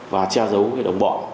và che giấu cái đồng bọn